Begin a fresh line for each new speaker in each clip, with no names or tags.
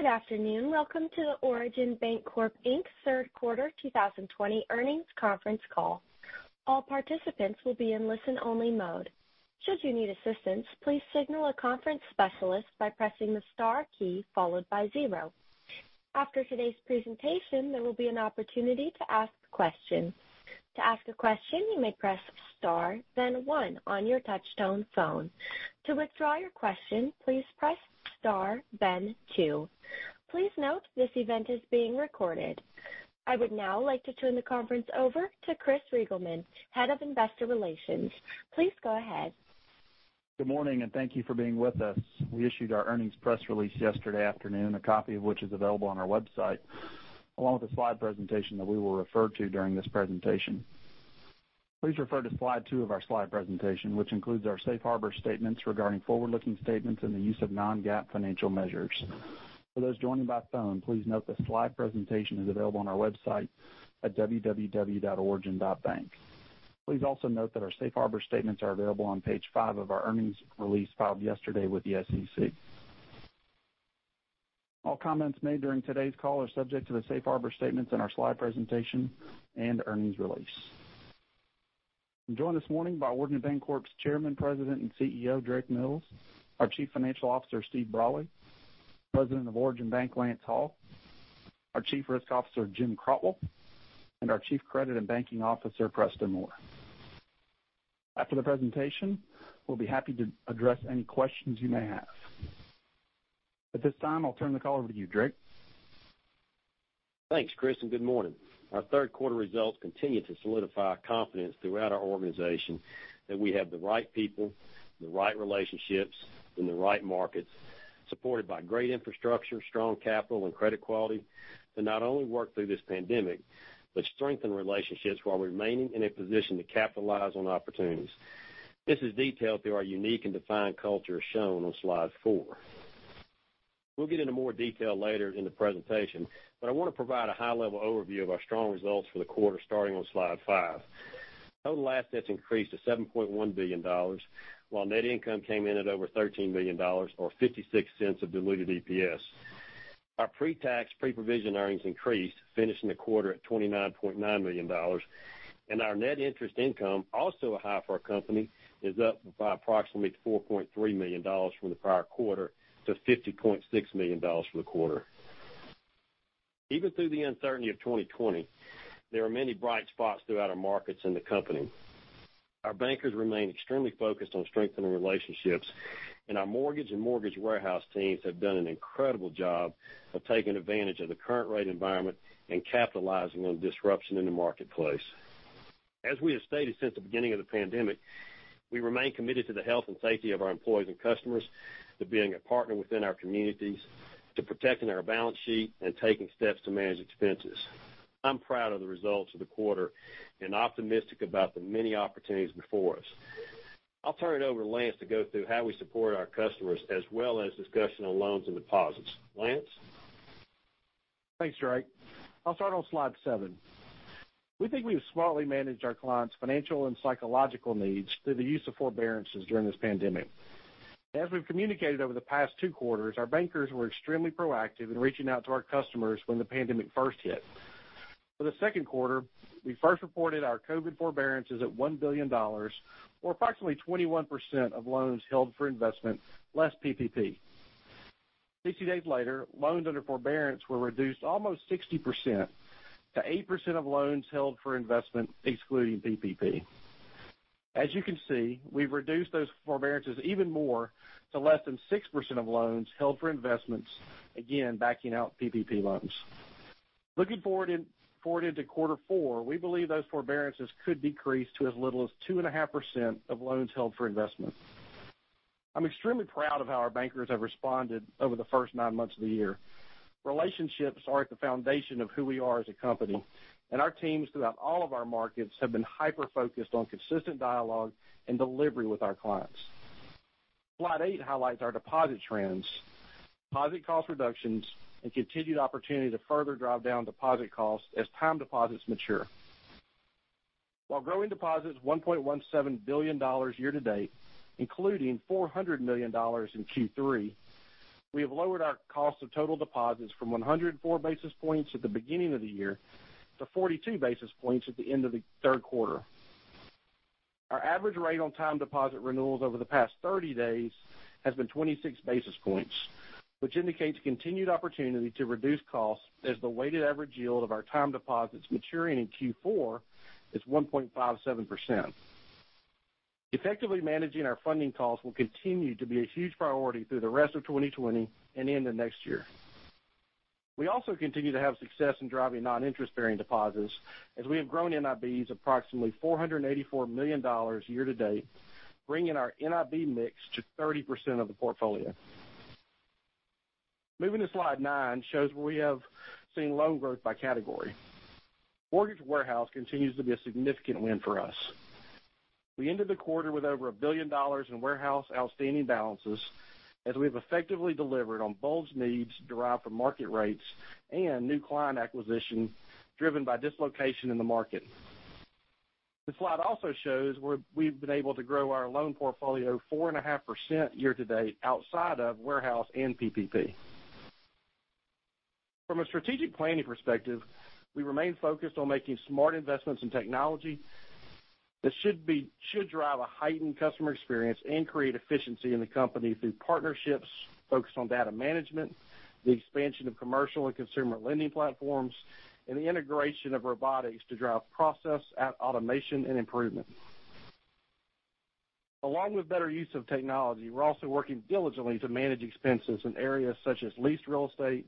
Good afternoon. Welcome to the Origin Bancorp, Inc. Q3 2020 earnings conference call. All participants will be in listen-only mode. Since you need assistance, please signal a conference call specialist by pressing star key followed by zero. After today's presentation, there will be an opportunity to ask questions. To ask a question, you may press star then one on your touch tone phone. To withdraw your question, please press star then two. Please note this event is being recorded. I would now like to turn the conference over to Chris Reigelman, Head of Investor Relations. Please go ahead.
Good morning, and thank you for being with us. We issued our earnings press release yesterday afternoon, a copy of which is available on our website, along with the slide presentation that we will refer to during this presentation. Please refer to Slide 2 of our slide presentation, which includes our safe harbor statements regarding forward-looking statements and the use of non-GAAP financial measures. For those joining by phone, please note the slide presentation is available on our website at www.origin.bank. Please also note that our safe harbor statements are available on page five of our earnings release filed yesterday with the SEC. All comments made during today's call are subject to the safe harbor statements in our slide presentation and earnings release. I'm joined this morning by Origin Bancorp's Chairman, President, and CEO, Drake Mills, our Chief Financial Officer, Steve Brolly, President of Origin Bank, Lance Hall, our Chief Risk Officer, Jim Crotwell, and our Chief Credit and Banking Officer, Preston Moore. After the presentation, we'll be happy to address any questions you may have. At this time, I'll turn the call over to you, Drake.
Thanks, Chris. Good morning. Our Q3 results continue to solidify our confidence throughout our organization that we have the right people, the right relationships in the right markets, supported by great infrastructure, strong capital and credit quality to not only work through this pandemic, but strengthen relationships while remaining in a position to capitalize on opportunities. This is detailed through our unique and defined culture shown on Slide 4. We'll get into more detail later in the presentation. I want to provide a high-level overview of our strong results for the quarter, starting on Slide 5. Total assets increased to $7.1 billion, while net income came in at over $13 million, or $0.56 of diluted EPS. Our pre-tax, pre-provision earnings increased, finishing the quarter at $29.9 million. Our net interest income, also a high for our company, is up by approximately $4.3 million from the prior quarter to $50.6 million for the quarter. Even through the uncertainty of 2020, there are many bright spots throughout our markets and the company. Our bankers remain extremely focused on strengthening relationships, and our mortgage and mortgage warehouse teams have done an incredible job of taking advantage of the current rate environment and capitalizing on disruption in the marketplace. As we have stated since the beginning of the pandemic, we remain committed to the health and safety of our employees and customers, to being a partner within our communities, to protecting our balance sheet and taking steps to manage expenses. I'm proud of the results of the quarter and optimistic about the many opportunities before us. I'll turn it over to Lance to go through how we support our customers, as well as discussion on loans and deposits. Lance?
Thanks, Drake. I'll start on Slide 7. We think we've smartly managed our clients' financial and psychological needs through the use of forbearances during this pandemic. As we've communicated over the past two quarters, our bankers were extremely proactive in reaching out to our customers when the pandemic first hit. For the Q2, we first reported our COVID forbearances at $1 billion, or approximately 21% of loans held for investment, less PPP. 60 days later, loans under forbearance were reduced almost 60% to 8% of loans held for investment, excluding PPP. As you can see, we've reduced those forbearances even more to less than 6% of loans held for investments, again, backing out PPP loans. Looking forward into Q4, we believe those forbearances could decrease to as little as 2.5% of loans held for investment. I'm extremely proud of how our bankers have responded over the first nine months of the year. Relationships are at the foundation of who we are as a company, and our teams throughout all of our markets have been hyper-focused on consistent dialogue and delivery with our clients. Slide 8 highlights our deposit trends, deposit cost reductions, and continued opportunity to further drive down deposit costs as time deposits mature. While growing deposits $1.17 billion year to date, including $400 million in Q3, we have lowered our cost of total deposits from 104 basis points at the beginning of the year to 42 basis points at the end of the Q3. Our average rate on time deposit renewals over the past 30 days has been 26 basis points, which indicates continued opportunity to reduce costs as the weighted average yield of our time deposits maturing in Q4 is 1.57%. Effectively managing our funding costs will continue to be a huge priority through the rest of 2020 and into next year. We also continue to have success in driving non-interest-bearing deposits, as we have grown NIBs approximately $484 million year to date, bringing our NIB mix to 30% of the portfolio. Moving to Slide 9 shows where we have seen loan growth by category. Mortgage warehouse continues to be a significant win for us. We ended the quarter with over a billion dollars in warehouse outstanding balances, as we have effectively delivered on both needs derived from market rates and new client acquisition driven by dislocation in the market. This slide also shows we've been able to grow our loan portfolio 4.5% year-to-date outside of warehouse and PPP. From a strategic planning perspective, we remain focused on making smart investments in technology that should drive a heightened customer experience and create efficiency in the company through partnerships focused on data management, the expansion of commercial and consumer lending platforms, and the integration of robotics to drive process automation and improvement. Along with better use of technology, we're also working diligently to manage expenses in areas such as leased real estate,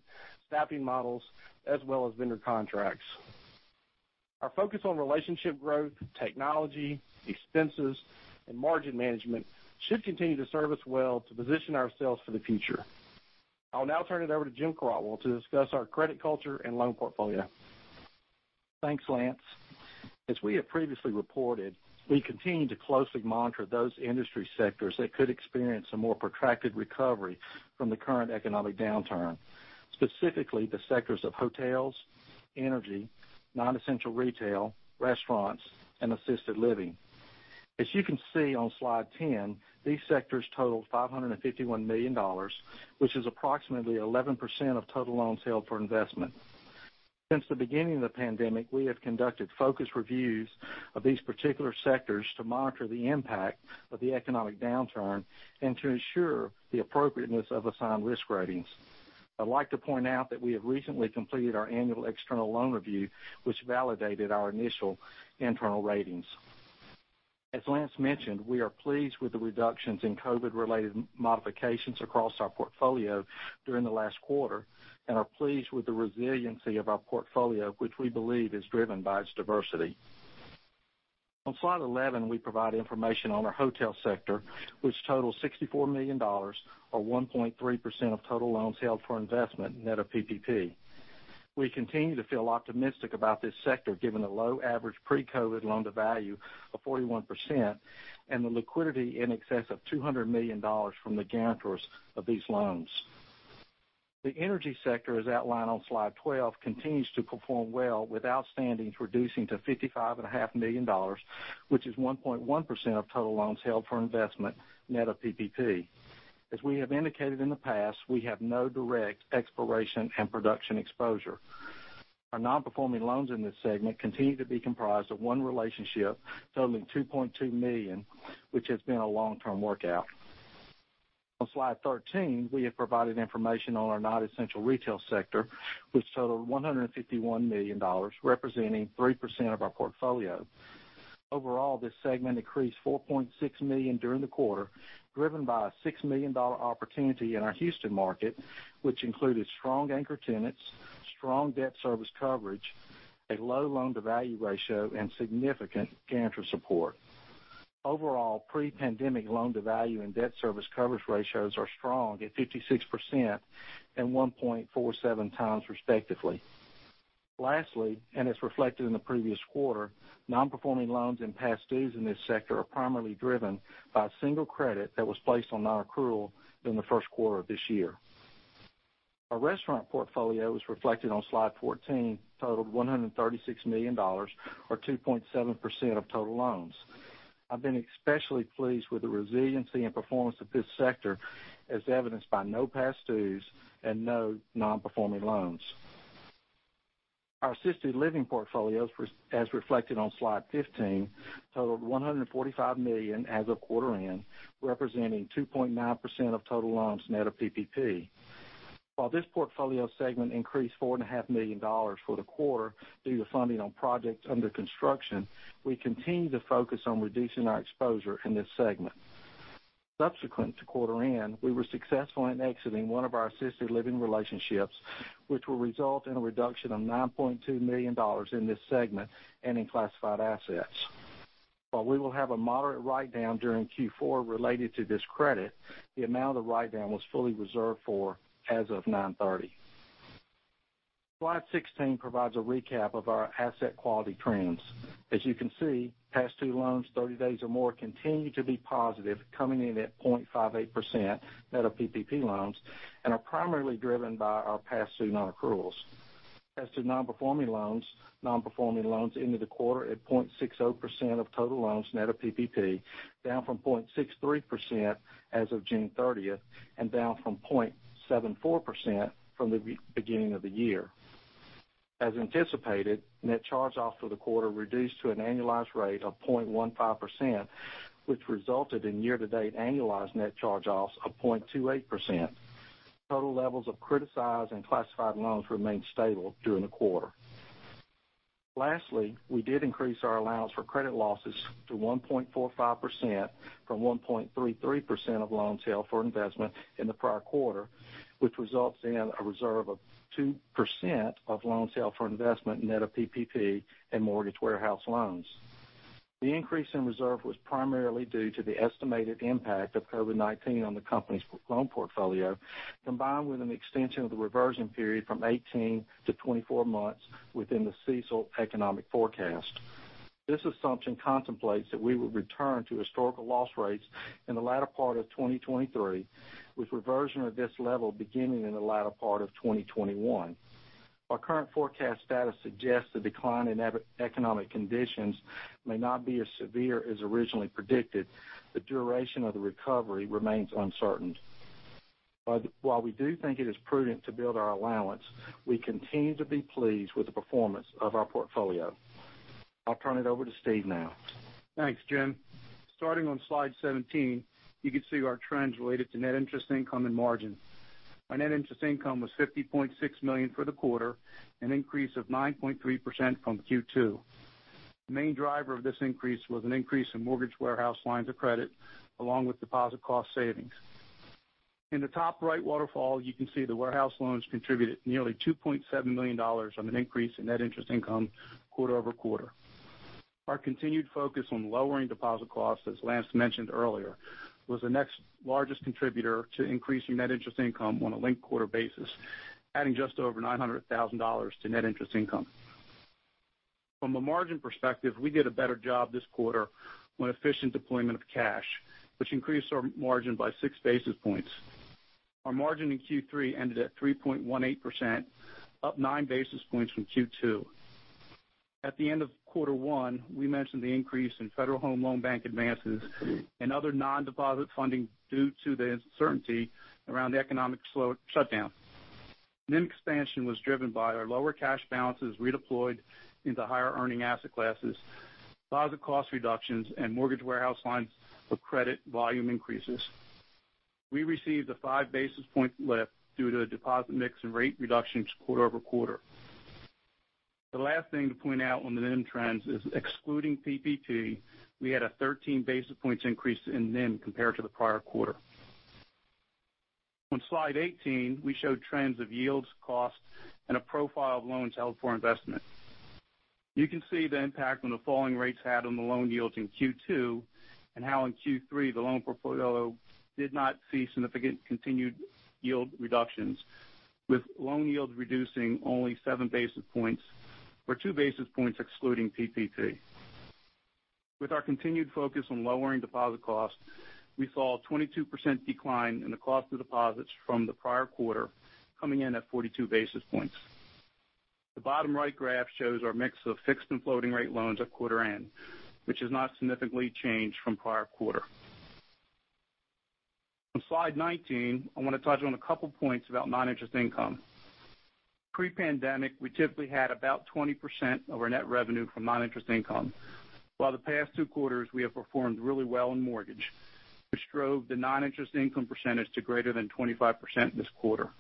staffing models, as well as vendor contracts. Our focus on relationship growth, technology, expenses, and margin management should continue to serve us well to position ourselves for the future. I'll now turn it over to Jim Crotwell to discuss our credit culture and loan portfolio.
Thanks, Lance. As we have previously reported, we continue to closely monitor those industry sectors that could experience a more protracted recovery from the current economic downturn, specifically the sectors of hotels, energy, non-essential retail, restaurants, and assisted living. As you can see on Slide 10, these sectors totaled $551 million, which is approximately 11% of total loans held for investment. Since the beginning of the pandemic, we have conducted focused reviews of these particular sectors to monitor the impact of the economic downturn and to ensure the appropriateness of assigned risk ratings. I'd like to point out that we have recently completed our annual external loan review, which validated our initial internal ratings. As Lance mentioned, we are pleased with the reductions in COVID-related modifications across our portfolio during the last quarter and are pleased with the resiliency of our portfolio, which we believe is driven by its diversity. On Slide 11, we provide information on our hotel sector, which totals $64 million, or 1.3% of total loans held for investment net of PPP. We continue to feel optimistic about this sector given the low average pre-COVID loan-to-value of 41% and the liquidity in excess of $200 million from the guarantors of these loans. The energy sector, as outlined on Slide 12, continues to perform well with outstandings reducing to $55.5 million, which is 1.1% of total loans held for investment net of PPP. As we have indicated in the past, we have no direct exploration and production exposure. Our non-performing loans in this segment continue to be comprised of one relationship totaling $2.2 million, which has been a long-term workout. On Slide 13, we have provided information on our non-essential retail sector, which totaled $151 million, representing 3% of our portfolio. Overall, this segment increased by $4.6 million during the quarter, driven by a $6 million opportunity in our Houston market, which included strong anchor tenants, strong debt service coverage, a low loan-to-value ratio, and significant guarantor support. Overall, pre-pandemic loan-to-value and debt service coverage ratios are strong at 56% and 1.47 times respectively. Lastly, as reflected in the previous quarter, non-performing loans and past dues in this sector are primarily driven by a single credit that was placed on non-accrual in the Q1 of this year. Our restaurant portfolio, as reflected on Slide 14, totaled $136 million or 2.7% of total loans. I've been especially pleased with the resiliency and performance of this sector, as evidenced by no past dues and no non-performing loans. Our assisted living portfolios, as reflected on Slide 15, totaled $145 million as of quarter end, representing 2.9% of total loans net of PPP. While this portfolio segment increased $4.5 million for the quarter due to funding on projects under construction, we continue to focus on reducing our exposure in this segment. Subsequent to quarter end, we were successful in exiting one of our assisted living relationships, which will result in a reduction of $9.2 million in this segment and in classified assets. While we will have a moderate write-down during Q4 related to this credit, the amount of write-down was fully reserved for as of 9/30. Slide 16 provides a recap of our asset quality trends. As you can see, past due loans 30 days or more continue to be positive, coming in at 0.58% net of PPP loans and are primarily driven by our past due non-accruals. As to non-performing loans, non-performing loans ended the quarter at 0.60% of total loans net of PPP, down from 0.63% as of June 30th and down from 0.74% from the beginning of the year. As anticipated, net charge-offs for the quarter reduced to an annualized rate of 0.15%, which resulted in year-to-date annualized net charge-offs of 0.28%. Total levels of criticized and classified loans remained stable during the quarter. Lastly, we did increase our allowance for credit losses to 1.45% from 1.33% of loans held for investment in the prior quarter, which results in a reserve of 2% of loans held for investment net of PPP and mortgage warehouse loans. The increase in reserve was primarily due to the estimated impact of COVID-19 on the company's loan portfolio, combined with an extension of the reversion period from 18 to 24 months within the CECL economic forecast. This assumption contemplates that we will return to historical loss rates in the latter part of 2023, with reversion at this level beginning in the latter part of 2021. Our current forecast status suggests the decline in economic conditions may not be as severe as originally predicted. The duration of the recovery remains uncertain. While we do think it is prudent to build our allowance, we continue to be pleased with the performance of our portfolio. I'll turn it over to Steve now.
Thanks, Jim. Starting on Slide 17, you can see our trends related to net interest income and margin. Our net interest income was $50.6 million for the quarter, an increase of 9.3% from Q2. The main driver of this increase was an increase in mortgage warehouse lines of credit along with deposit cost savings. In the top right waterfall, you can see the warehouse loans contributed nearly $2.7 million on an increase in net interest income quarter-over-quarter. Our continued focus on lowering deposit costs, as Lance mentioned earlier, was the next largest contributor to increasing net interest income on a linked-quarter basis, adding just over $900,000 to net interest income. From a margin perspective, we did a better job this quarter on efficient deployment of cash, which increased our margin by six basis points. Our margin in Q3 ended at 3.18%, up nine basis points from Q2. At the end of Q1, we mentioned the increase in Federal Home Loan Bank advances and other non-deposit funding due to the uncertainty around the economic shutdown. NIM expansion was driven by our lower cash balances redeployed into higher earning asset classes, deposit cost reductions, and mortgage warehouse lines of credit volume increases. We received a five basis point lift due to a deposit mix and rate reductions quarter-over-quarter. The last thing to point out on the NIM trends is excluding PPP, we had a 13 basis points increase in NIM compared to the prior quarter. On Slide 18, we show trends of yields, costs, and a profile of loans held for investment. You can see the impact on the falling rates had on the loan yields in Q2, and how in Q3 the loan portfolio did not see significant continued yield reductions, with loan yields reducing only 7 basis points or 2 basis points excluding PPP. With our continued focus on lowering deposit costs, we saw a 22% decline in the cost of deposits from the prior quarter, coming in at 42 basis points. The bottom right graph shows our mix of fixed and floating rate loans at quarter end, which has not significantly changed from prior quarter. On Slide 19, I want to touch on a couple points about non-interest income. Pre-pandemic, we typically had about 20% of our net revenue from non-interest income. While the past two quarters, we have performed really well in mortgage, which drove the non-interest income percentage to greater than 25% this quarter.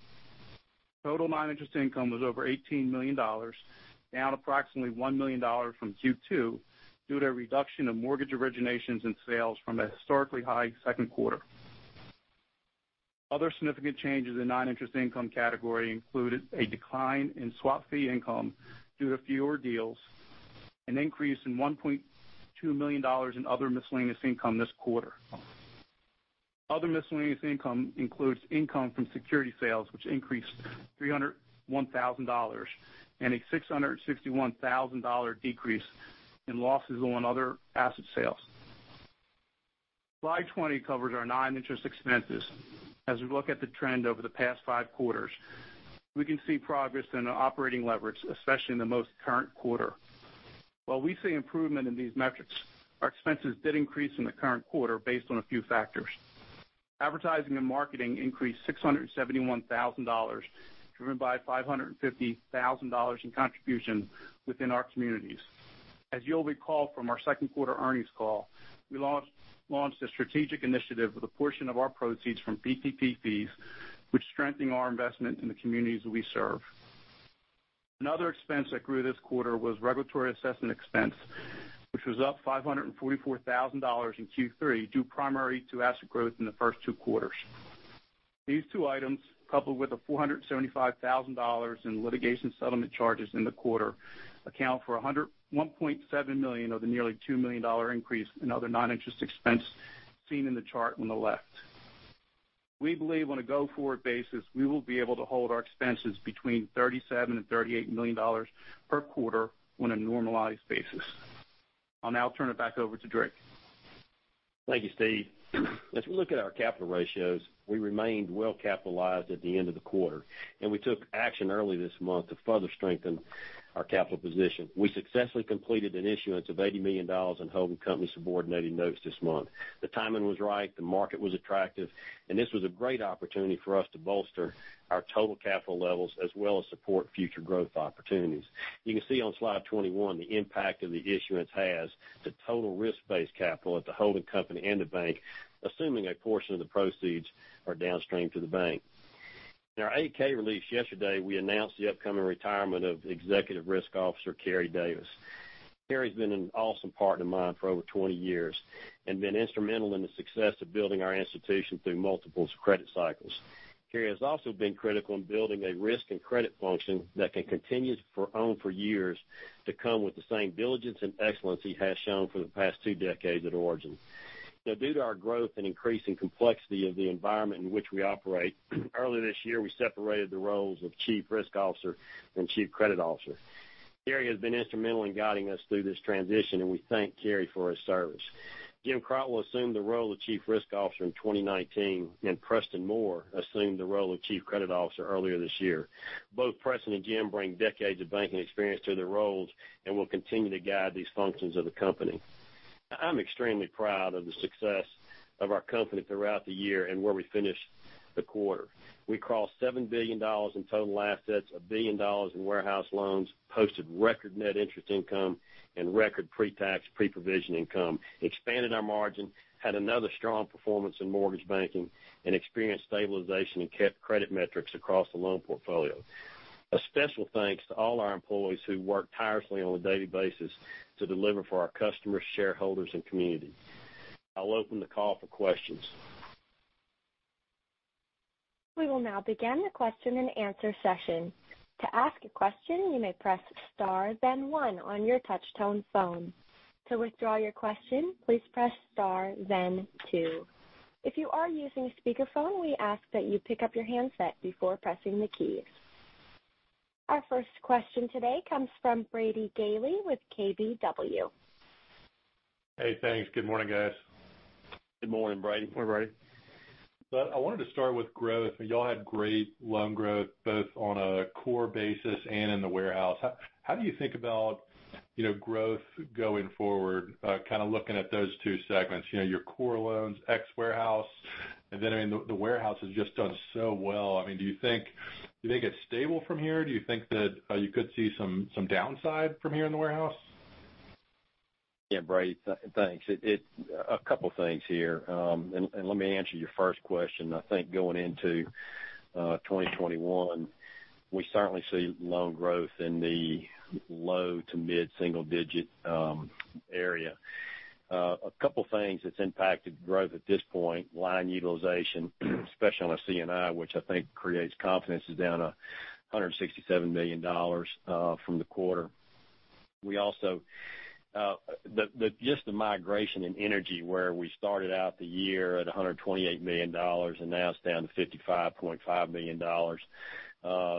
Total non-interest income was over $18 million, down approximately $1 million from Q2 due to a reduction of mortgage originations and sales from a historically high Q2. Other significant changes in non-interest income category included a decline in swap fee income due to fewer deals, an increase in $1.2 million in other miscellaneous income this quarter. Other miscellaneous income includes income from security sales, which increased $301,000, and a $661,000 decrease in losses on other asset sales. Slide 20 covers our non-interest expenses. As we look at the trend over the past five quarters, we can see progress in the operating leverage, especially in the most current quarter. While we see improvement in these metrics, our expenses did increase in the current quarter based on a few factors. Advertising and marketing increased $671,000, driven by $550,000 in contribution within our communities. As you'll recall from our Q2 earnings call, we launched a strategic initiative with a portion of our proceeds from PPP fees, which strengthen our investment in the communities that we serve. Another expense that grew this quarter was regulatory assessment expense, which was up $544,000 in Q3, due primarily to asset growth in the first two quarters. These two items, coupled with the $475,000 in litigation settlement charges in the quarter, account for $1.7 million of the nearly $2 million increase in other non-interest expense seen in the chart on the left. We believe on a go-forward basis, we will be able to hold our expenses between $37 and $38 million per quarter on a normalized basis. I'll now turn it back over to Drake.
Thank you, Steve. As we look at our capital ratios, we remained well capitalized at the end of the quarter, and we took action early this month to further strengthen our capital position. We successfully completed an issuance of $80 million in holding company subordinated notes this month. The timing was right, the market was attractive, and this was a great opportunity for us to bolster our total capital levels as well as support future growth opportunities. You can see on Slide 21 the impact of the issuance has to total risk-based capital at the holding company and the bank, assuming a portion of the proceeds are downstreamed to the bank. In our 8-K release yesterday, we announced the upcoming retirement of Executive Risk Officer Cary Davis. Cary's been an awesome partner of mine for over 20 years and been instrumental in the success of building our institution through multiple credit cycles. Cary has also been critical in building a risk and credit function that can continue to own for years to come with the same diligence and excellence he has shown for the past two decades at Origin. Now, due to our growth and increasing complexity of the environment in which we operate, early this year, we separated the roles of Chief Risk Officer and Chief Credit Officer. Cary has been instrumental in guiding us through this transition, and we thank Cary for his service. Jim Crotwell will assume the role of Chief Risk Officer in 2019, and Preston Moore assumed the role of Chief Credit Officer earlier this year. Both Preston and Jim bring decades of banking experience to their roles and will continue to guide these functions of the company. I'm extremely proud of the success of our company throughout the year and where we finished the quarter. We crossed $7 billion in total assets, $1 billion in warehouse loans, posted record net interest income and record pre-tax, pre-provision income, expanded our margin, had another strong performance in mortgage banking, and experienced stabilization in credit metrics across the loan portfolio. A special thanks to all our employees who work tirelessly on a daily basis to deliver for our customers, shareholders, and community. I'll open the call for questions.
We will now begin the question and answer session. Our first question today comes from Brady Gailey with KBW.
Hey, thanks. Good morning, guys.
Good morning, Brady.
Good morning, Brady.
I wanted to start with growth. You all had great loan growth, both on a core basis and in the warehouse. How do you think about growth going forward, looking at those two segments, your core loans, ex warehouse, and then the warehouse has just done so well? Do you think it's stable from here? Do you think that you could see some downside from here in the warehouse?
Yes, Brady, thanks. A couple of things here. Let me answer your first question. I think going into 2021, we certainly see loan growth in the low to mid-single digit area. A couple of things that's impacted growth at this point, line utilization, especially on a C&I, which I think creates confidence, is down $167 million from the quarter. Just the migration in energy, where we started out the year at $128 million, now it's down to $55.5 million,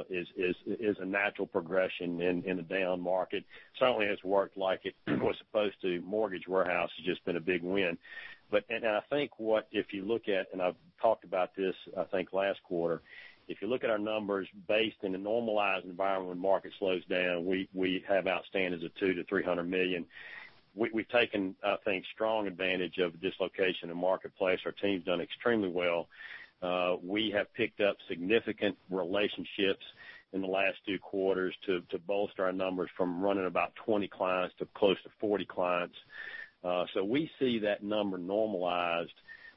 is a natural progression in the down market. Certainly has worked like it was supposed to. Mortgage warehouse has just been a big win. If you look at, I've talked about this, I think, last quarter, if you look at our numbers based in a normalized environment, when the market slows down, we have outstandings of $200 million-$300 million. We've taken, I think, strong advantage of the dislocation in the marketplace. Our team's done extremely well. We have picked up significant relationships in the last two quarters to bolster our numbers from running about 20 clients to close to 40 clients. We see that number normalized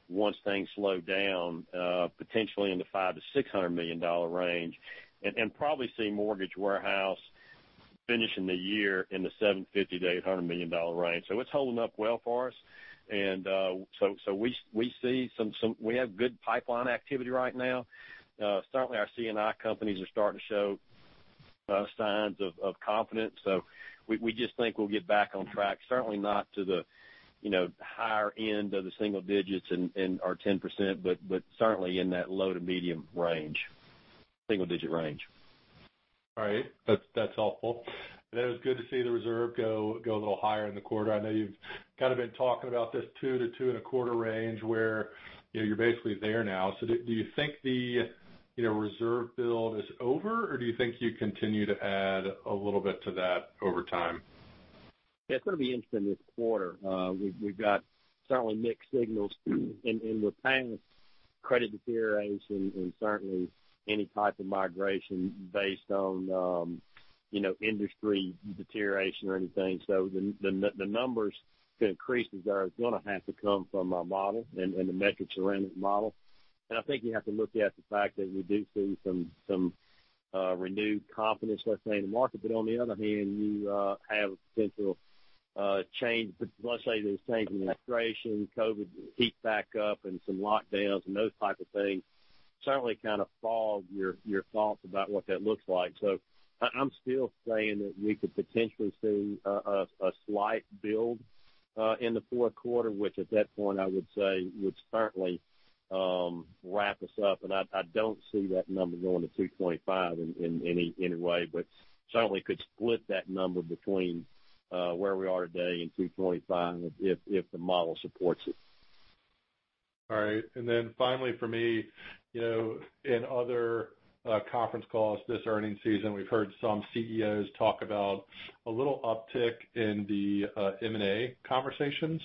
once things slow down, potentially in the $500 million-$600 million range, and probably see mortgage warehouse finishing the year in the $750 million-$800 million range. It's holding up well for us. We have good pipeline activity right now. Certainly, our C&I companies are starting to show signs of confidence. We just think we'll get back on track, certainly not to the higher end of the single digits and our 10%, but certainly in that low to medium single-digit range.
All right. That's helpful. That was good to see the reserve go a little higher in the quarter. I know you've kind of been talking about this two to two and a quarter range, where you're basically there now. Do you think the reserve build is over, or do you think you continue to add a little bit to that over time?
It's going to be interesting this quarter. We've got certainly mixed signals, and we're past credit deterioration and certainly any type of migration based on industry deterioration or anything. The numbers, the increases are going to have to come from our model and the metrics around that model. I think you have to look at the fact that we do see some renewed confidence, let's say, in the market. On the other hand, you have potential change. Let's say there's a change in administration, COVID heats back up, and some lockdowns and those type of things certainly kind of fog your thoughts about what that looks like. I'm still saying that we could potentially see a slight build in the Q4, which at that point I would say would certainly wrap us up, and I don't see that number going to 2.5 in any way, but certainly could split that number between where we are today and 2.5 if the model supports it.
All right. Finally for me, in other conference calls this earnings season, we've heard some CEOs talk about a little uptick in the M&A conversations.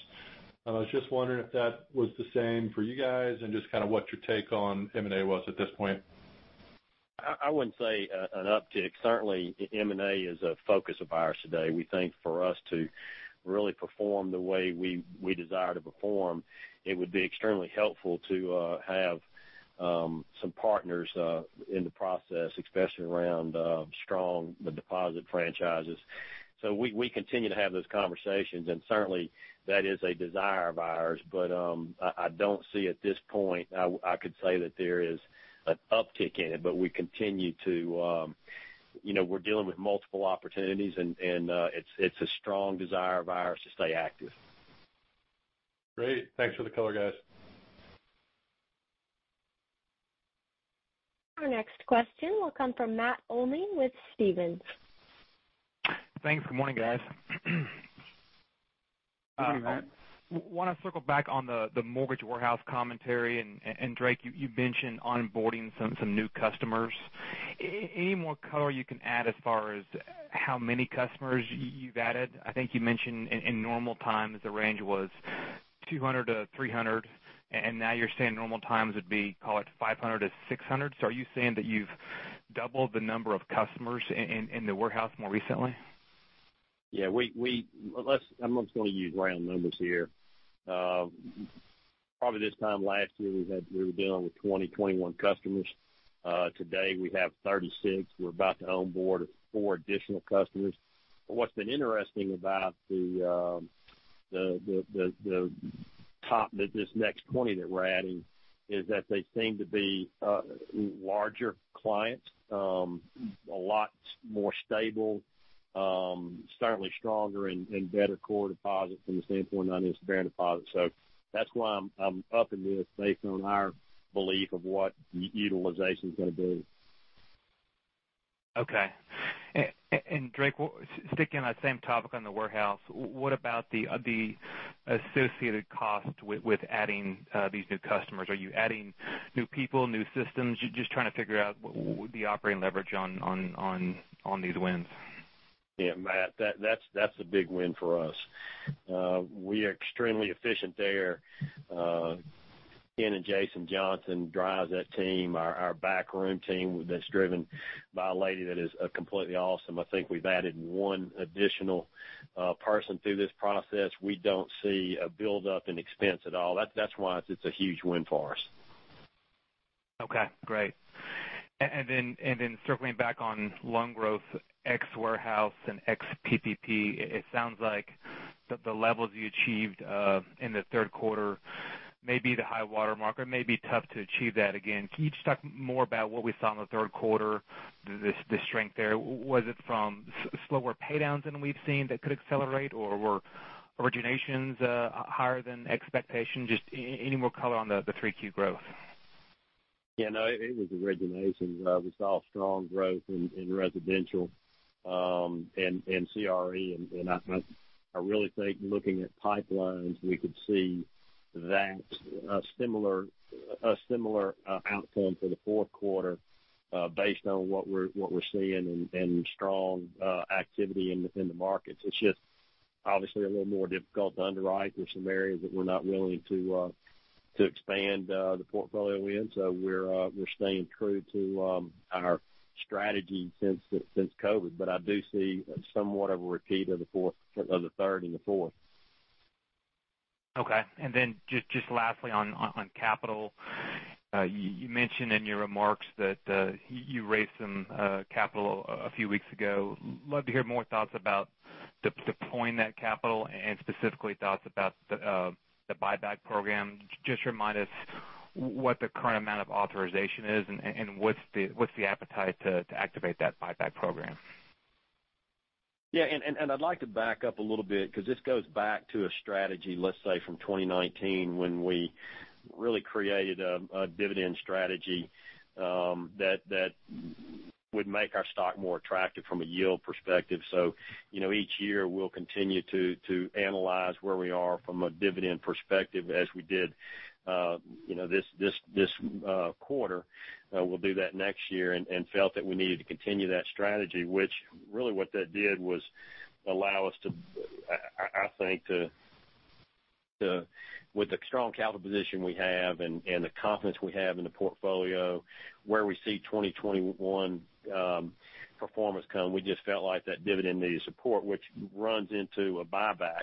I was just wondering if that was the same for you guys and just kind of what your take on M&A was at this point.
I wouldn't say an uptick. Certainly, M&A is a focus of ours today. We think for us to really perform the way we desire to perform, it would be extremely helpful to have some partners in the process, especially around strong deposit franchises. We continue to have those conversations, and certainly, that is a desire of ours. I don't see at this point, I could say that there is an uptick in it, but we're dealing with multiple opportunities, and it's a strong desire of ours to stay active.
Great. Thanks for the color, guys.
Our next question will come from Matt Olney with Stephens.
Thanks. Good morning, guys.
Good morning, Matt.
I want to circle back on the mortgage warehouse commentary, and Drake, you mentioned onboarding some new customers. Any more color you can add as far as how many customers you've added? I think you mentioned in normal times, the range was 200 to 300, and now you're saying normal times would be, call it 500 to 600. Are you saying that you've doubled the number of customers in the warehouse more recently?
I'm just going to use round numbers here. Probably this time last year, we were dealing with 20, 21 customers. Today, we have 36. We're about to onboard four additional customers. What's been interesting about the top, this next 20 that we're adding, is that they seem to be larger clients, a lot more stable, certainly stronger and better core deposit from the standpoint of non-interest-bearing deposit. That's why I'm up in this based on our belief of what utilization's going to do.
Okay. Drake, sticking on that same topic on the warehouse, what about the associated cost with adding these new customers? Are you adding new people, new systems? Just trying to figure out the operating leverage on these wins?
Yes, Matt, that's a big win for us. We are extremely efficient there. Ken and Jason Johnson drives that team, our backroom team that's driven by a lady that is completely awesome. I think we've added one additional person through this process. We don't see a buildup in expense at all. That's why it's a huge win for us.
Okay, great. Circling back on loan growth ex warehouse and ex PPP, it sounds like the levels you achieved in the Q3 may be the high water mark, or it may be tough to achieve that again. Can you just talk more about what we saw in the Q3, the strength there? Was it from slower pay downs than we've seen that could accelerate, or were originations higher than expectation? Just any more color on the 3Q growth.
Yes, no, it was originations. We saw strong growth in residential and CRE. I really think looking at pipelines, we could see a similar outcome for the Q4 based on what we're seeing and strong activity in the markets. It's just obviously a little more difficult to underwrite. There's some areas that we're not willing to expand the portfolio in. We're staying true to our strategy since COVID. I do see somewhat of a repeat of the third and the fourth.
Okay, just lastly on capital. You mentioned in your remarks that you raised some capital a few weeks ago. Love to hear more thoughts about deploying that capital and specifically thoughts about the buyback program. Just remind us what the current amount of authorization is and what's the appetite to activate that buyback program.
Yes, I'd like to back up a little bit because this goes back to a strategy, let's say, from 2019 when we really created a dividend strategy that would make our stock more attractive from a yield perspective. Each year, we'll continue to analyze where we are from a dividend perspective as we did this quarter. We'll do that next year and felt that we needed to continue that strategy, which really what that did was allow us to, I think, with the strong capital position we have and the confidence we have in the portfolio where we see 2021 performance come, we just felt like that dividend needed support, which runs into a buyback.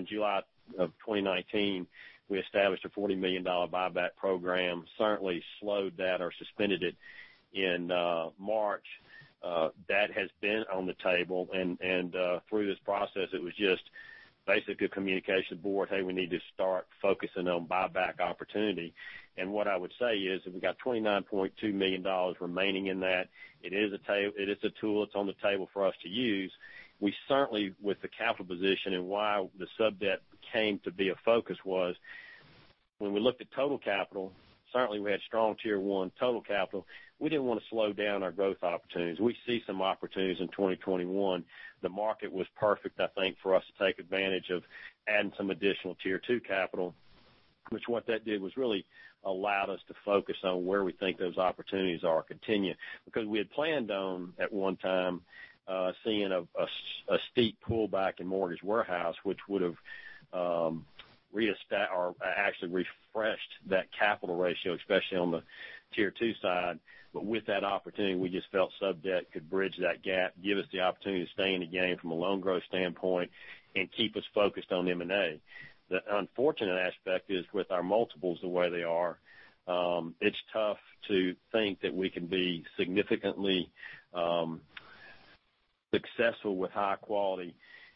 In July of 2019, we established a $40 million buyback program. Certainly slowed that or suspended it in March. That has been on the table, and through this process, it was just basically a communication board. Hey, we need to start focusing on buyback opportunity. What I would say is that we got $29.2 million remaining in that. It is a tool that's on the table for us to use. We certainly, with the capital position and why the sub-debt came to be a focus was when we looked at total capital, certainly we had strong Tier 1 total capital. We didn't want to slow down our growth opportunities. We see some opportunities in 2021. The market was perfect, I think, for us to take advantage of adding some additional Tier 2 capital, which what that did was really allowed us to focus on where we think those opportunities are continuing. We had planned on, at one time, seeing a steep pullback in mortgage warehouse, which would have refreshed that capital ratio, especially on the Tier 2 side. With that opportunity, we just felt sub-debt could bridge that gap, give us the opportunity to stay in the game from a loan growth standpoint, and keep us focused on M&A. The unfortunate aspect is with our multiples the way they are, it's tough to think that we can be significantly successful with high-quality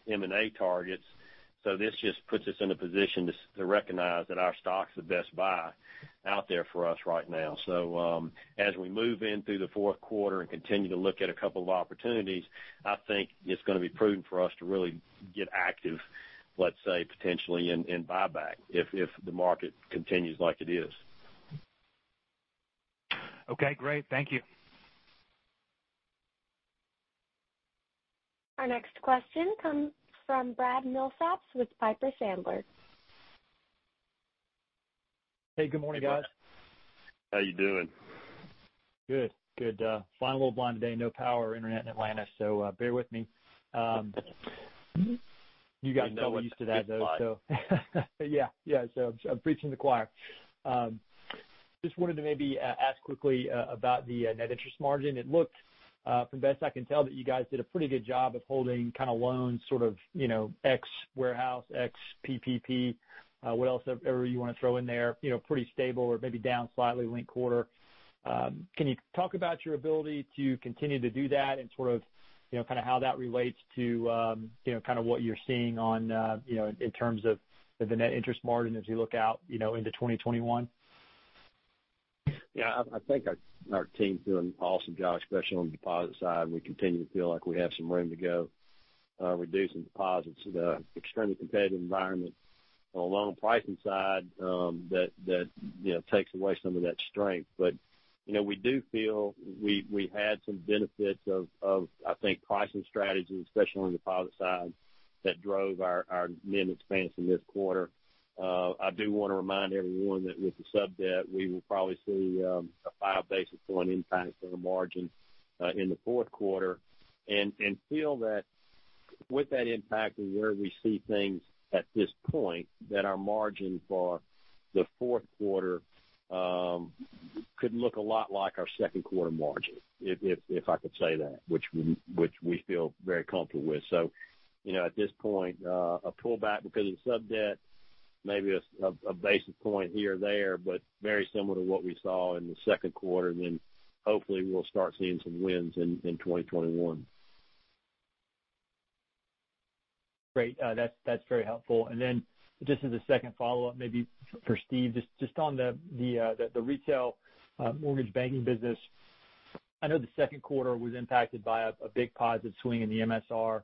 M&A targets. This just puts us in a position to recognize that our stock's the best buy out there for us right now. As we move in through the Q4 and continue to look at a couple of opportunities, I think it's going to be prudent for us to really get active, let's say, potentially in buyback if the market continues like it is.
Okay, great. Thank you.
Our next question comes from Brad Milsaps with Piper Sandler.
Hey, good morning, guys.
How are you doing?
Good. Flying a little blind today. No power or internet in Atlanta, so bear with me.
We know what that's like.
You guys are probably used to that, though, so Yes. I'm preaching to the choir. Just wanted to maybe ask quickly about the net interest margin. It looks, from best I can tell, that you guys did a pretty good job of holding loans, sort of, ex warehouse, ex PPP, whatever you want to throw in there, pretty stable or maybe down slightly linked quarter. Can you talk about your ability to continue to do that and how that relates to what you're seeing in terms of the net interest margin as you look out into 2021?
Yes, I think our team's doing an awesome job, especially on the deposit side. We continue to feel like we have some room to go reducing deposits in an extremely competitive environment on the loan pricing side that takes away some of that strength. We do feel we had some benefits of, I think, pricing strategy, especially on the deposit side, that drove our NIM expanse in this quarter. I do want to remind everyone that with the sub-debt, we will probably see a five basis point impact on the margin in the Q4 and feel that with that impact and where we see things at this point, that our margin for the Q4 could look a lot like our Q2 margin, if I could say that, which we feel very comfortable with. At this point, a pullback because of sub-debt, maybe a basis point here or there, but very similar to what we saw in the Q2. Hopefully we'll start seeing some wins in 2021.
Great. That's very helpful. Just as a second follow-up, maybe for Steve, just on the retail mortgage banking business. I know the Q2 was impacted by a big positive swing in the MSR.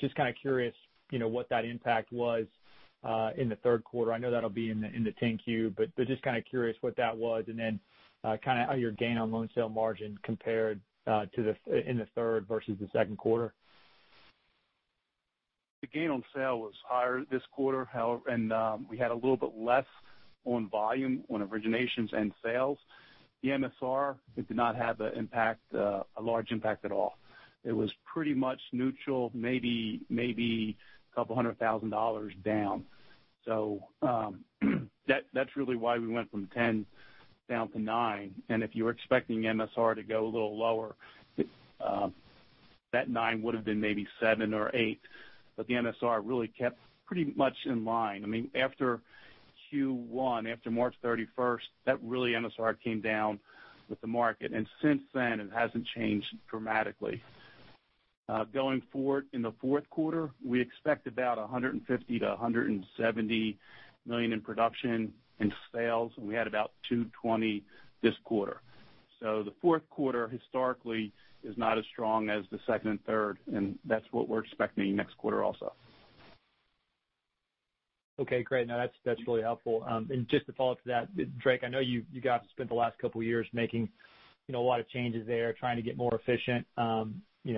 Just kind of curious what that impact was in the Q3. I know that'll be in the 10-Q, but just kind of curious what that was, and then how your gain on loan sale margin compared in the third versus the Q2.
The gain on sale was higher this quarter, and we had a little bit less on volume on originations and sales. The MSR did not have a large impact at all. It was pretty much neutral, maybe $200,000 down. That's really why we went from 10 down to nine. If you were expecting MSR to go a little lower, that nine would've been maybe seven or eight, but the MSR really kept pretty much in line. After Q1, after March 31st, that really MSR came down with the market, and since then, it hasn't changed dramatically. Going forward in the Q4, we expect about $150 million-$170 million in production and sales, and we had about $220 million this quarter. The Q4 historically is not as strong as the second and third, and that's what we're expecting next quarter also.
Okay, great. No, that's really helpful. Just to follow up to that, Drake, I know you guys have spent the last couple of years making a lot of changes there, trying to get more efficient.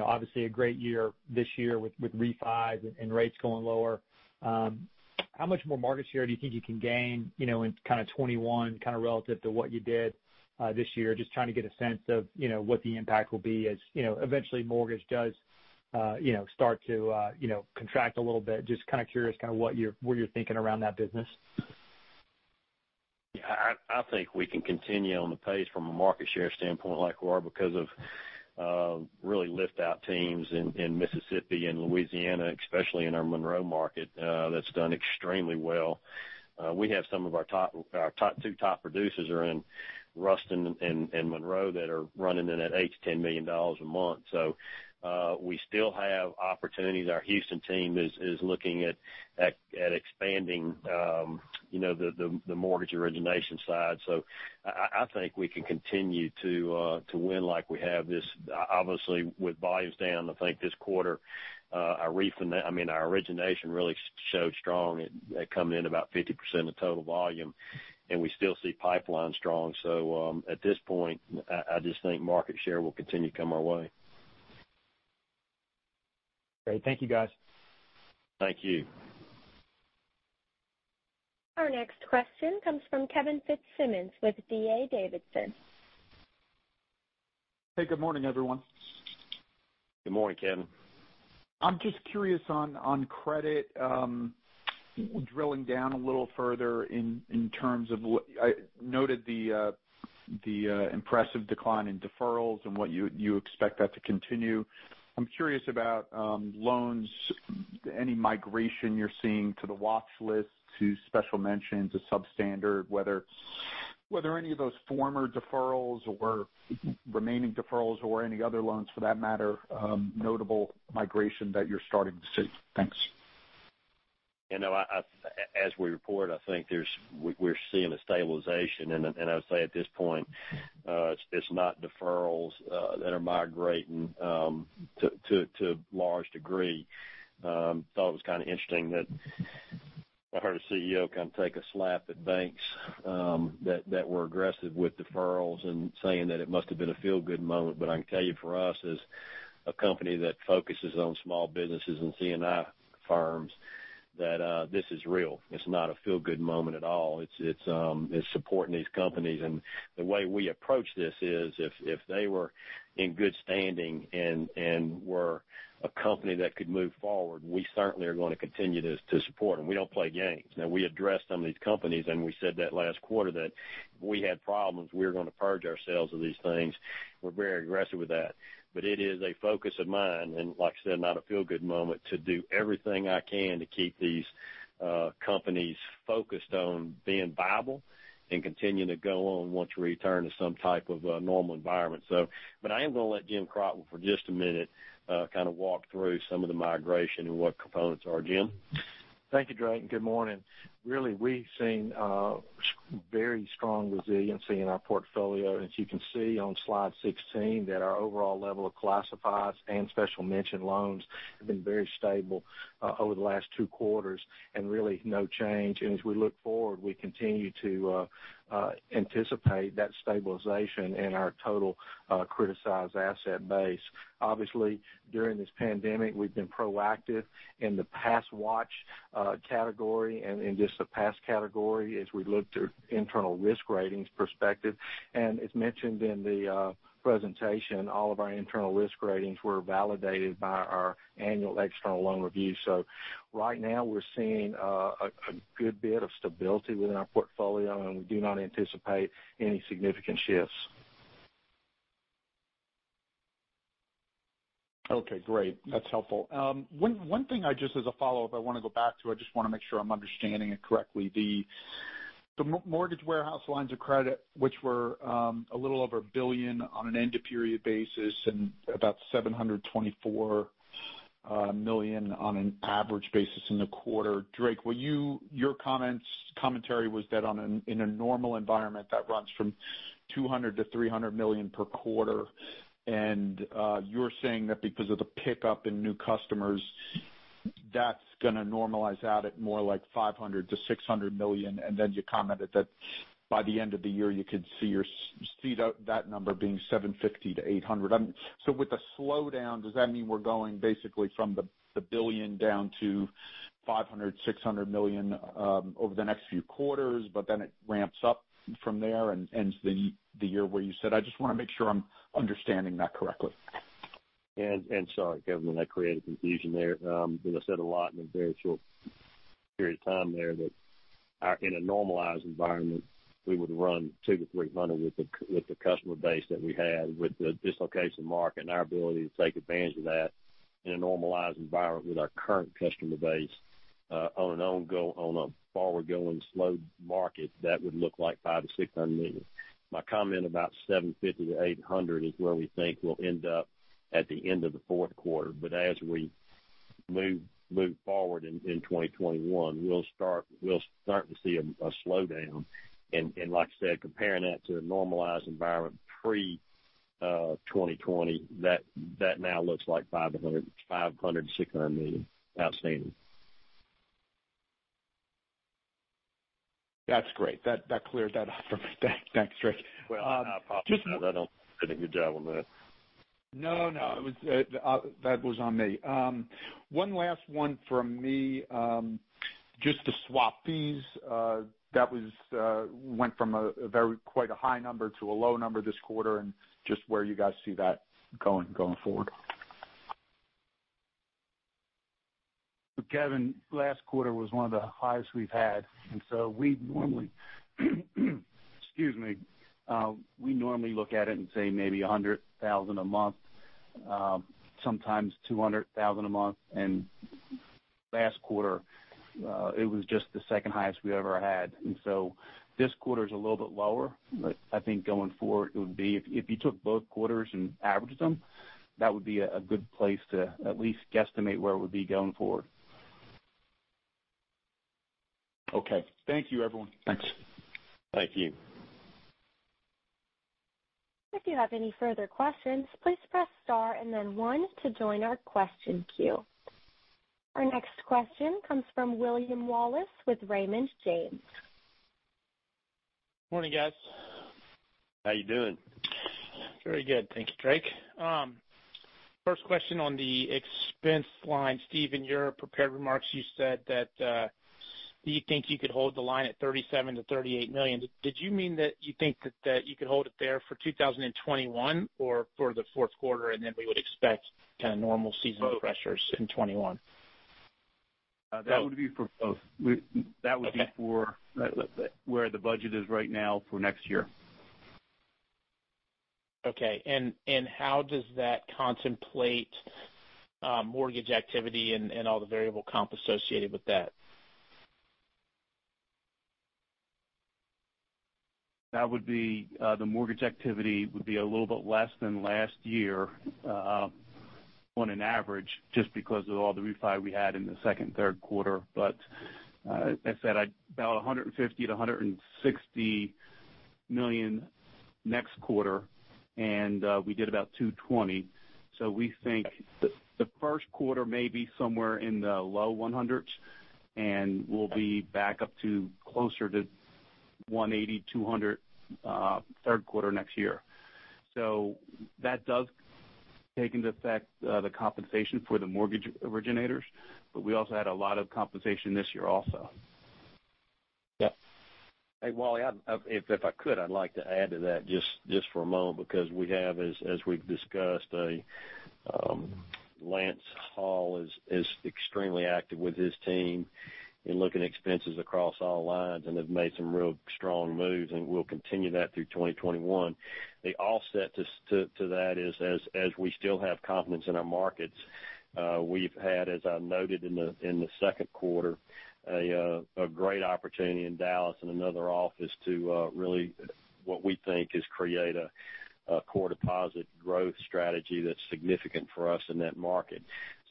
Obviously a great year this year with refis and rates going lower. How much more market share do you think you can gain in 2021 relative to what you did this year? Just trying to get a sense of what the impact will be as eventually mortgage does start to contract a little bit. Just kind of curious what you're thinking around that business.
Yes, I think we can continue on the pace from a market share standpoint like we are because of really lift-out teams in Mississippi and Louisiana, especially in our Monroe market, that's done extremely well. We have Our top two producers are in Ruston and Monroe that are running in at eight to $10 million a month. We still have opportunities. Our Houston team is looking at expanding the mortgage origination side. I think we can continue to win like we have. Obviously, with volumes down, I think this quarter, our origination really showed strong at coming in about 50% of total volume, and we still see pipeline strong. At this point, I just think market share will continue to come our way.
Great. Thank you, guys.
Thank you.
Our next question comes from Kevin Fitzsimmons with D.A. Davidson.
Hey, good morning, everyone.
Good morning, Kevin.
I'm just curious on credit, drilling down a little further in terms of what I noted the impressive decline in deferrals and what you expect that to continue. I'm curious about loans, any migration you're seeing to the watch list, to special mentions, to substandard, whether any of those former deferrals or remaining deferrals or any other loans, for that matter, notable migration that you're starting to see? Thanks.
As we report, I think we're seeing a stabilization, and I would say at this point, it's not deferrals that are migrating to large degree. Thought it was kind of interesting that I heard a CEO kind of take a slap at banks that were aggressive with deferrals and saying that it must have been a feel-good moment, but I can tell you for us as a company that focuses on small businesses and C&I firms, that this is real. It's not a feel-good moment at all. It's supporting these companies. The way we approach this is, if they were in good standing and were a company that could move forward, we certainly are going to continue to support them. We don't play games. We addressed some of these companies. We said that last quarter that if we had problems, we were going to purge ourselves of these things. We're very aggressive with that. It is a focus of mine, like I said, not a feel-good moment, to do everything I can to keep these companies focused on being viable and continuing to go on once we return to some type of normal environment. I am going to let Jim Crotwell for just a minute kind of walk through some of the migration and what components are. Jim?
Thank you, Drake. Good morning. Really, we've seen very strong resiliency in our portfolio. As you can see on Slide 16, that our overall level of classifieds and special mention loans have been very stable over the last two quarters and really no change. As we look forward, we continue to anticipate that stabilization in our total criticized asset base. Obviously, during this pandemic, we've been proactive in the pass watch category and in just the pass category as we look through internal risk ratings perspective. As mentioned in the presentation, all of our internal risk ratings were validated by our annual external loan review. Right now we're seeing a good bit of stability within our portfolio, and we do not anticipate any significant shifts.
Okay, great. That's helpful. One thing just as a follow-up I want to go back to, I just want to make sure I'm understanding it correctly. The mortgage warehouse lines of credit, which were a little over $1 billion on an end of period basis and about $724 million on an average basis in the quarter. Drake, your commentary was that in a normal environment that runs from $200 million-$300 million per quarter, and you're saying that because of the pickup in new customers, that's going to normalize out at more like $500 million-$600 million. You commented that by the end of the year, you could see that number being $750 million-$800 million. With the slowdown, does that mean we're going basically from the $1 billion down to $500 million, $600 million over the next few quarters, but then it ramps up from there and ends the year where you said? I just want to make sure I'm understanding that correctly.
Sorry, Kevin, when I created confusion there. I said a lot in a very short period of time there that in a normalized environment, we would run $200-$300 with the customer base that we have, with the dislocation market and our ability to take advantage of that in a normalized environment with our current customer base on an ongoing, on a forward-going slow market, that would look like $500 million-$600 million. My comment about $750-$800 is where we think we'll end up at the end of the Q4. As we move forward in 2021, we'll start to see a slowdown. Like I said, comparing that to a normalized environment pre-2020, that now looks like $500 million-$600 million outstanding.
That's great. That cleared that up for me. Thanks, Drake.
Well, I apologize. I don't think I did a good job on that.
No, that was on me. One last one from me. Just the swap fees, that went from quite a high number to a low number this quarter, and just where you guys see that going forward?
Kevin, last quarter was one of the highest we've had. We normally, excuse me, we normally look at it and say maybe 100,000 a month, sometimes 200,000 a month. Last quarter, it was just the second highest we ever had. This quarter's a little bit lower, but I think going forward, it would be if you took both quarters and averaged them, that would be a good place to at least guesstimate where it would be going forward.
Okay. Thank you, everyone.
Thanks.
Thank you.
If you have any further questions, please press star and then one to join our question queue. Our next question comes from William Wallace with Raymond James.
Morning, guys.
How you doing?
Very good. Thank you, Drake. First question on the expense line. Steve, your prepared remarks, you said that you think you could hold the line at $37 million-$38 million? Did you mean that you think that you could hold it there for 2021 or for the Q4, then we would expect kind of normal seasonal pressures in 2021?
That would be for both. Okay. That would be for where the budget is right now for next year.
Okay. How does that contemplate mortgage activity and all the variable comp associated with that?
The mortgage activity would be a little bit less than last year on an average, just because of all the refi we had in Q2 and Q3. As I said, about 150 to 160 million next quarter, and we did about $220. We think the Q1 may be somewhere in the low $100s, and we'll be back up to closer to $180, $200, Q3 next year. That does take into effect the compensation for the mortgage originators. We also had a lot of compensation this year also.
Hey, Wallace, if I could, I'd like to add to that just for a moment, because we have, as we've discussed, Lance Hall is extremely active with his team in looking at expenses across all lines and have made some real strong moves, and we'll continue that through 2021. The offset to that is, as we still have confidence in our markets, we've had, as I noted in the Q2, a great opportunity in Dallas and another office to really, what we think is, create a core deposit growth strategy that's significant for us in that market.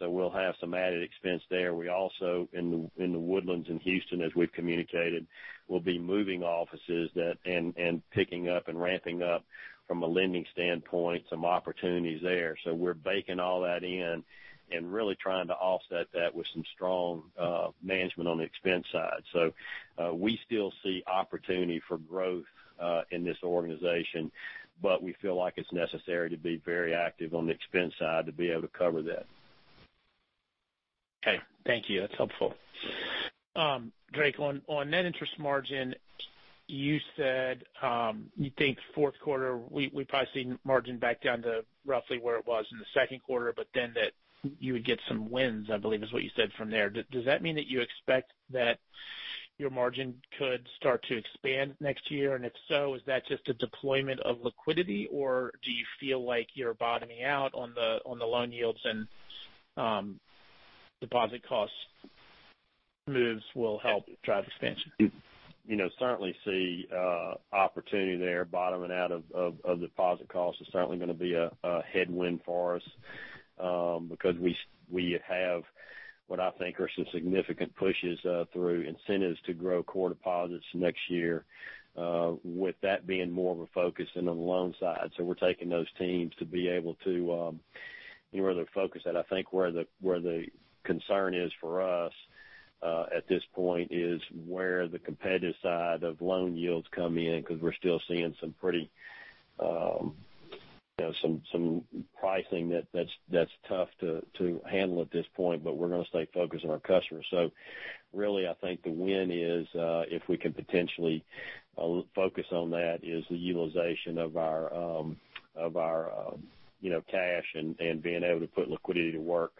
We'll have some added expense there. We also, in The Woodlands in Houston, as we've communicated, will be moving offices and picking up and ramping up, from a lending standpoint, some opportunities there. We're baking all that in and really trying to offset that with some strong management on the expense side. We still see opportunity for growth in this organization, but we feel like it's necessary to be very active on the expense side to be able to cover that.
Okay. Thank you. That's helpful. Drake, on net interest margin, you said you think Q4, we probably see margin back down to roughly where it was in the Q2, then that you would get some wins, I believe, is what you said from there. Does that mean that you expect that your margin could start to expand next year? If so, is that just a deployment of liquidity, or do you feel like you're bottoming out on the loan yields and deposit cost moves will help drive expansion?
Certainly see opportunity there. Bottoming out of deposit costs is certainly going to be a headwind for us, because we have what I think are some significant pushes through incentives to grow core deposits next year, with that being more of a focus than on the loan side. We're taking those teams to be able to really focus that. I think where the concern is for us, at this point, is where the competitive side of loan yields come in, because we're still seeing some pricing that's tough to handle at this point. We're going to stay focused on our customers. Really, I think the win is, if we can potentially focus on that, is the utilization of our cash and being able to put liquidity to work,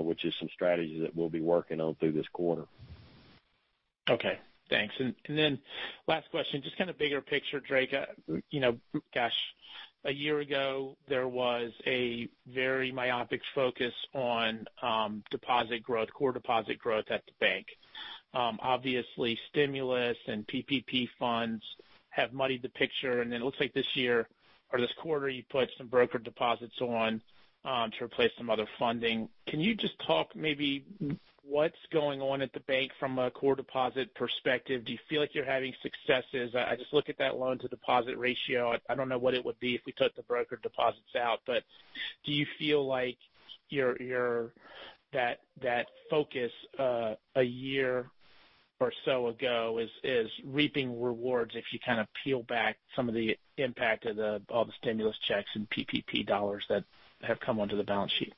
which is some strategy that we'll be working on through this quarter.
Okay, thanks. Then last question, just kind of bigger picture, Drake. Gosh, a year ago, there was a very myopic focus on core deposit growth at the bank. Obviously, stimulus and PPP funds have muddied the picture, then it looks like this year or this quarter, you put some brokered deposits on to replace some other funding. Can you just talk maybe what's going on at the bank from a core deposit perspective? Do you feel like you're having successes? I just look at that loan-to-deposit ratio. I don't know what it would be if we took the brokered deposits out, do you feel like that focus a year or so ago is reaping rewards if you kind of peel back some of the impact of all the stimulus checks and PPP dollars that have come onto the balance sheet?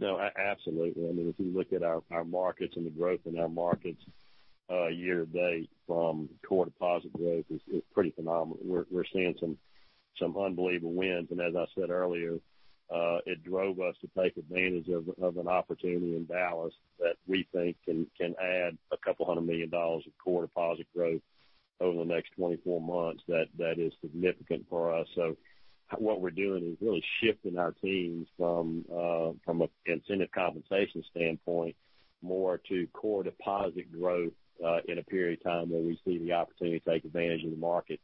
No, absolutely. If you look at our markets and the growth in our markets year-to-date from core deposit growth is pretty phenomenal. We're seeing some unbelievable wins. As I said earlier, it drove us to take advantage of an opportunity in Dallas that we think can add a couple hundred million dollars of core deposit growth over the next 24 months. That is significant for us. What we're doing is really shifting our teams from an incentive compensation standpoint, more to core deposit growth, in a period of time where we see the opportunity to take advantage of the market,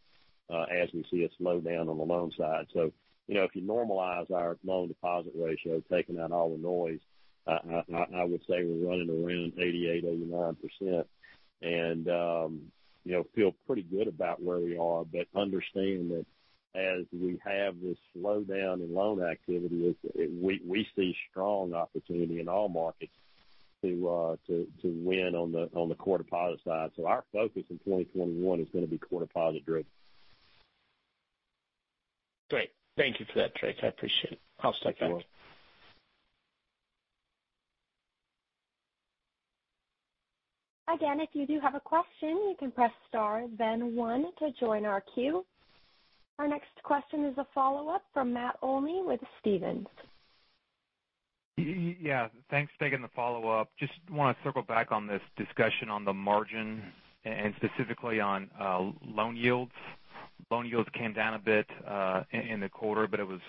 as we see a slowdown on the loan side. If you normalize our loan deposit ratio, taking out all the noise, I would say we're running around 88%-89% and feel pretty good about where we are. Understand that as we have this slowdown in loan activity, we see strong opportunity in all markets to win on the core deposit side. Our focus in 2021 is going to be core deposit-driven.
Great. Thank you for that, Drake. I appreciate it. I'll stick back.
You're welcome.
Again, if you do have a question, you can press star then one to join our queue. Our next question is a follow-up from Matt Olney with Stephens.
Yes, thanks for taking the follow-up. Just want to circle back on this discussion on the margin and specifically on loan yields. Loan yields came down a bit in the quarter, but it was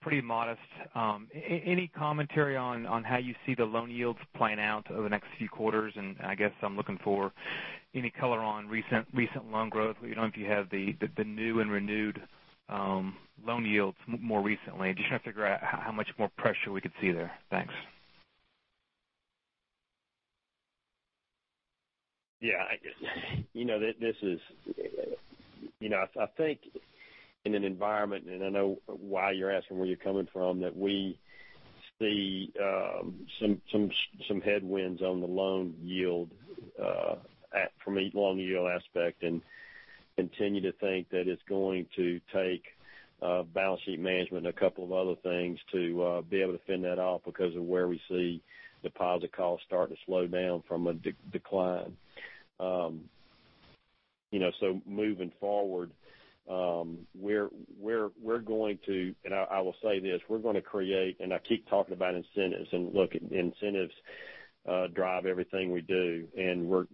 pretty modest. Any commentary on how you see the loan yields playing out over the next few quarters? I guess I'm looking for any color on recent loan growth. If you have the new and renewed loan yields more recently, just trying to figure out how much more pressure we could see there. Thanks.
Yes. I think in an environment, and I know why you're asking, where you're coming from, that we see some headwinds on the loan yield from a loan yield aspect, and continue to think that it's going to take balance sheet management and a couple of other things to be able to fend that off because of where we see deposit costs starting to slow down from a decline. Moving forward, and I will say this, we're going to create, and I keep talking about incentives, and look, incentives drive everything we do.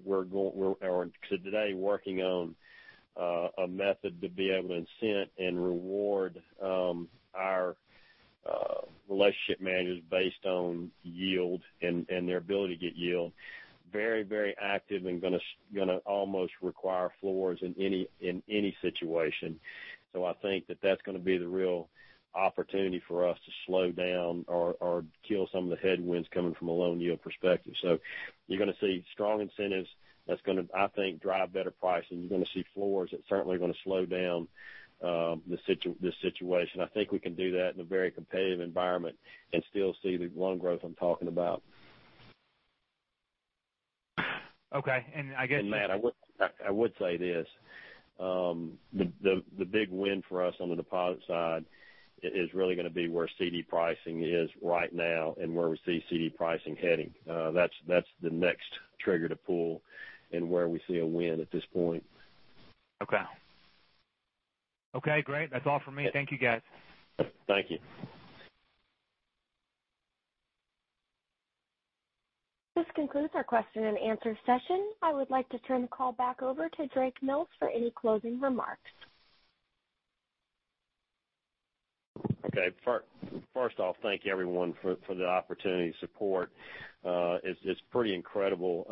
We're today working on a method to be able to incent and reward our relationship managers based on yield and their ability to get yield, very active and going to almost require floors in any situation. I think that that's going to be the real opportunity for us to slow down or kill some of the headwinds coming from a loan yield perspective. You're going to see strong incentives that's going to, I think, drive better pricing. You're going to see floors that certainly are going to slow down this situation. I think we can do that in a very competitive environment and still see the loan growth I'm talking about.
Okay.
Matt, I would say this. The big win for us on the deposit side is really going to be where CD pricing is right now and where we see CD pricing heading. That's the next trigger to pull and where we see a win at this point.
Okay. Okay, great. That's all for me. Thank you, guys.
Thank you.
This concludes our question and answer session. I would like to turn the call back over to Drake Mills for any closing remarks.
Okay. First off, thank you everyone for the opportunity and support. It's pretty incredible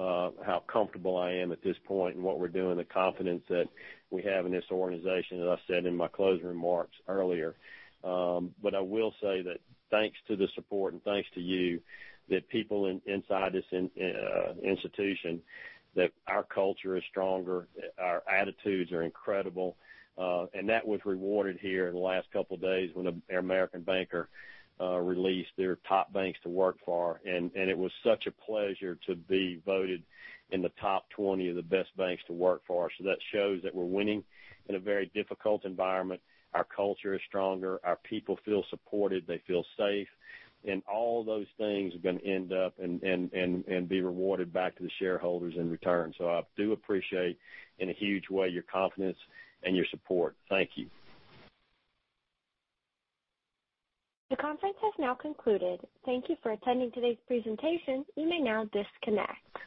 how comfortable I am at this point in what we're doing, the confidence that we have in this organization, as I said in my closing remarks earlier. I will say that thanks to the support and thanks to you, the people inside this institution, that our culture is stronger, our attitudes are incredible. That was rewarded here in the last couple of days when American Banker released their top banks to work for, and it was such a pleasure to be voted in the top 20 of the best banks to work for. That shows that we're winning in a very difficult environment. Our culture is stronger. Our people feel supported, they feel safe, and all those things are going to end up and be rewarded back to the shareholders in return. I do appreciate in a huge way, your confidence and your support. Thank you.
The conference has now concluded. Thank you for attending today's presentation. You may now disconnect.